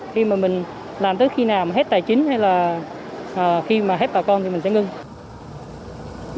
khi mà mình làm tới khi nào hết tài chính hay là khi mà hết bà con thì mình sẽ ngưng